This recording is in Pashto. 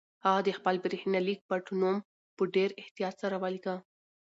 هغه د خپل برېښنالیک پټنوم په ډېر احتیاط سره ولیکه.